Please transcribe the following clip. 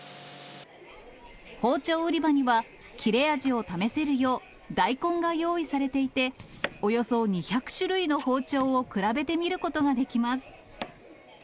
包丁売り場には、切れ味を試せるよう、大根が用意されていて、およそ２００種類の包丁を比べてみることができます。